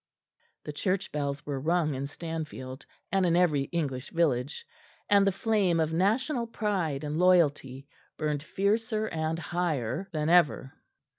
The church bells were rung in Stanfield and in every English village, and the flame of national pride and loyalty burned fiercer and higher than ever.